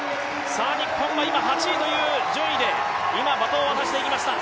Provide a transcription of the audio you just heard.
日本は今８位という順位で今、バトンを渡していきました。